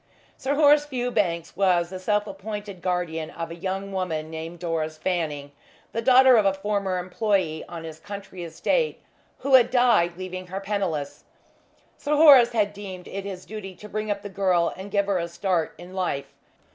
Sir Horace Fewbanks was the self appointed guardian of a young woman named Doris Fanning, the daughter of a former employee on his country estate, who had died leaving her penniless. Sir Horace had deemed it his duty to bring up the girl and give her a start in life.